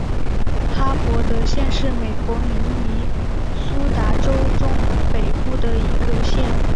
哈伯德县是美国明尼苏达州中北部的一个县。